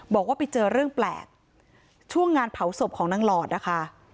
บอกว่าไปเจอเรื่องแปลกช่วงงานเผาศพของนางหลอดนะคะ